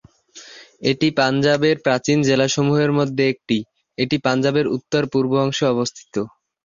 এটি পাঞ্জাবের প্রাচীন জেলাসমূহের মধ্যে একটি, এটি পাঞ্জাবের উত্তর-পূর্ব অংশে অবস্থিত।